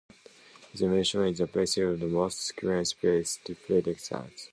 This information is the basis of most sequence-based predictors.